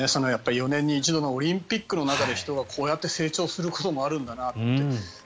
４年に一度のオリンピックの中で人がこうやって成長することもあるんだなと。